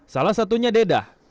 salah satunya dedah